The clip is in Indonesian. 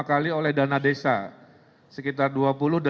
ketiga mereka akan dibantu oleh bdb